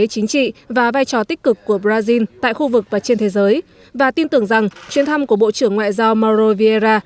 chính trị và vai trò tích cực của brazil tại khu vực và trên thế giới và tin tưởng rằng chuyến thăm của bộ trưởng ngoại giao mauro vieira